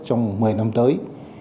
trong một mươi năm tới